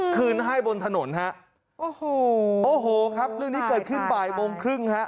คืนให้บนถนนฮะโอ้โหโอ้โหครับเรื่องนี้เกิดขึ้นบ่ายโมงครึ่งฮะ